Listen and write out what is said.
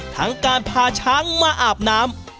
ทั้งการพาช้างมาอาบน้ำ